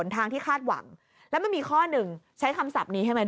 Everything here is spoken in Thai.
ทางที่คาดหวังแล้วมันมีข้อหนึ่งใช้คำศัพท์นี้ใช่ไหม